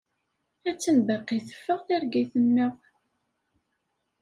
Attan baqi teffeɣ targit-nneɣ!